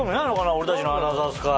俺たちのアナザースカイ。